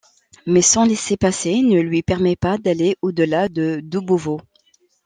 Mais son laissez-passer ne lui permet pas d'aller au-delà de Doubovo.